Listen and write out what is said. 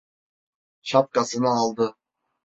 Şapkasını aldı.